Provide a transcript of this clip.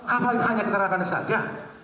apa hanya keterangan saja